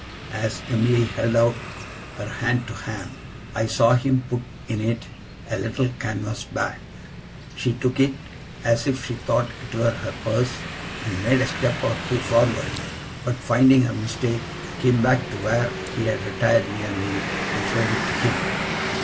As Em'ly held out her hand to Ham, I saw him put in it a little canvas bag. She took it, as if she thought it were her purse, and made a step or two forward; but finding her mistake, came back to where he had retired near me, and showed it to him.